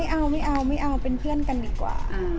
เขาน่ารักนะคะ